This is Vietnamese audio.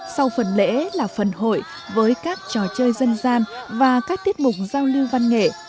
sau phần lễ là phần hội với các trò chơi dân gian và các tiết mục giao lưu văn nghệ